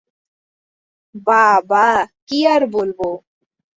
বাবা, কী আর বলব।